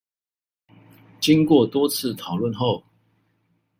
經歷多次討論後